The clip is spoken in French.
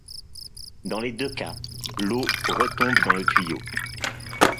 Dans les deux cas, l'eau retombe dans le tuyau.